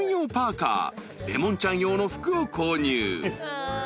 ［レモンちゃん用の服を購入］